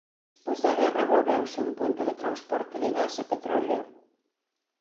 Despois da guerra volveuse un punto de transporte de gas e petróleo.